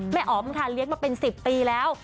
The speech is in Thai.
อ๋อมค่ะเลี้ยงมาเป็น๑๐ปีแล้ว